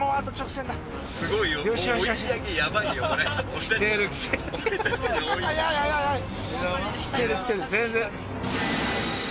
きてるきてる全然。